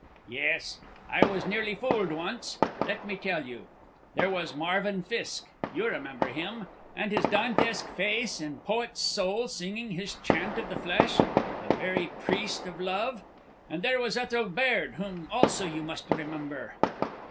"Yes, I was nearly fooled, once. Let me tell you. There was Marvin Fiske. You remember him? And his Dantesque face and poet's soul, singing his chant of the flesh, the very priest of Love? And there was Ethel Baird, whom also you must remember."